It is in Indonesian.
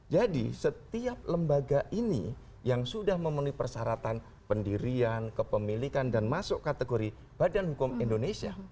jadi setiap lembaga ini yang sudah memenuhi persyaratan pendirian kepemilikan dan masuk kategori badan hukum indonesia